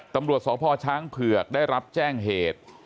ตำรวจสพช้างเผือกได้รับแจ้งเหตุ